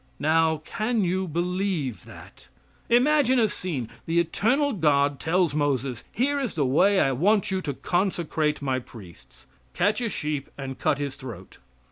Now, can you believe that? Imagine a scene: The eternal God tells Moses "Here is the way I want you to consecrate my priests. Catch a sheep and cut his throat."